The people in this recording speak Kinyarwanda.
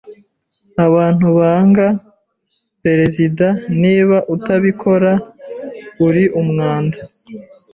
Abantu banga perezida, niba utabikora uri umwanda